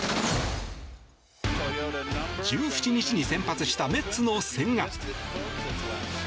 １７日に先発したメッツの千賀。